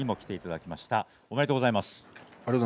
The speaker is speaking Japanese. ありがとうございます。